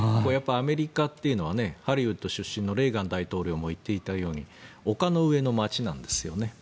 アメリカっていうのはハリウッド出身のレーガン大統領も言っていたように丘の上の街なんですよね。